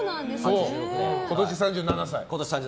今年３７歳。